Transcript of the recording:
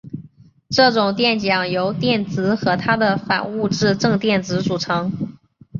这种电浆由电子和它的反物质正电子组成。